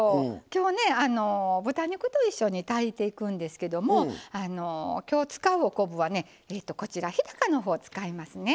今日ね豚肉と一緒に炊いていくんですけども今日使うお昆布はねこちら日高のほうを使いますね。